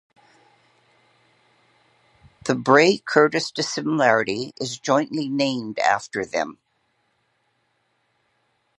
The Bray–Curtis dissimilarity is jointly named after them.